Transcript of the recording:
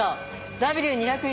Ｗ２０１